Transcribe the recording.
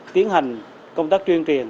tiến hành công tác truyền truyền